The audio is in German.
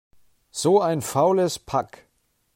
So ein faules Pack!